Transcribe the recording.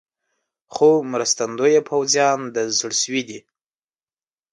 خو مرستندویه پوځیان د زړه سوي دي.